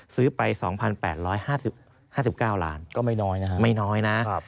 ซื้อไป๒๘๕๙ล้านก็ไม่น้อยนะครับ